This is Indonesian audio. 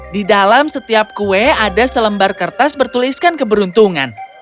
di dalam setiap kue ada selembar kertas bertuliskan keberuntungan